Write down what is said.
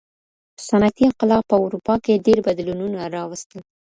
صنعتي انقلاب په اروپا کي ډیر بدلونونه راوستل.